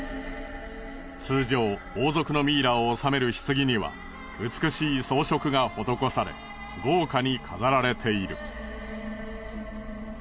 通常王族のミイラを納める棺には美しい装飾が施され豪華に飾られている。